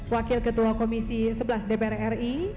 wakil ketua komisi sebelas dpr ri